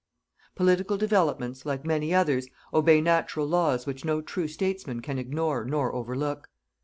Political developments, like many others, obey natural laws which no true statesman can ignore nor overlook.